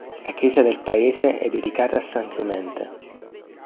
La chiesa del paese è dedicata a San Clemente.